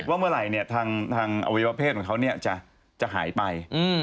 ว่าเมื่อไหร่เนี่ยทางอวัยวะเพศของเขาเนี่ยจะหายไป